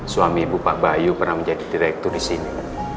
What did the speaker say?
suami ibu pak bayu pernah menjadi direktur disini